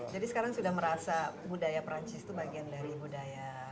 jadi sekarang sudah merasa budaya perancis itu bagian dari budaya